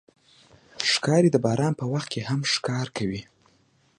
ښکاري د باران په وخت کې هم ښکار کوي.